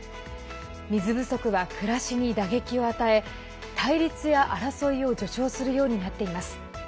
水不足は暮らしに打撃を与え対立や争いを助長するようになっています。